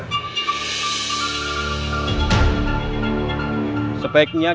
kita tidak bisa kemana mana